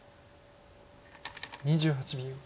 ２８秒。